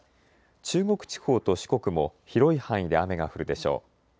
中国地方と四国も広い範囲で雨が降るでしょう。